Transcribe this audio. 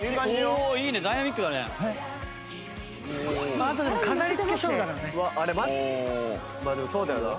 まあでもそうだよな。